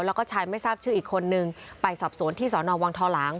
แล้วก็ชายไม่ทราบชื่ออีกคนนึงไปสอบสวนที่สอนอวังทอหลาง